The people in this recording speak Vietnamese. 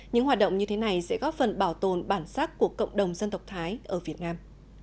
những hoạt động như thế này sẽ góp phần bảo tồn bản sắc của cộng đồng dân tộc thái ở việt nam